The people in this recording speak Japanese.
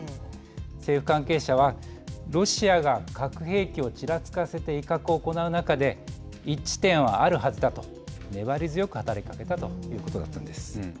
政府関係者はロシアが核兵器をちらつかせて威嚇を行う中で一致点はあるはずだと粘り強く働きかけたということなんです。